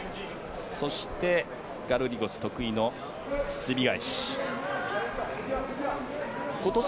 そして、ガルリゴス得意のすみ返し。